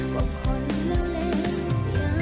ว่าคนเลวเลวยัง